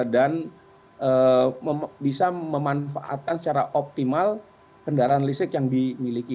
dan bisa memanfaatkan secara optimal kendaraan listrik yang dimiliki